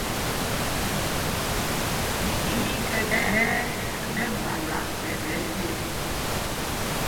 Mí í kɛ khɛ̄ɛ̄ mɛɓuta ɓɛ̌ pyemb.